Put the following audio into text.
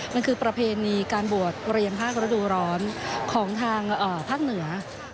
นั่นคือประเพณีการบวชเรียนภาคฤดูร้อนของทางภาคเหนือ